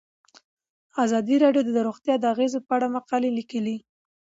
ازادي راډیو د روغتیا د اغیزو په اړه مقالو لیکلي.